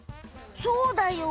そうだよ。